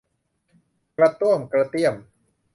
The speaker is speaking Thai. กระด้วมกระเดี้ยม